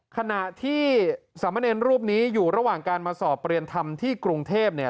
ขณะที่สามเณรรูปนี้อยู่ระหว่างการมาสอบเรียนธรรมที่กรุงเทพเนี่ย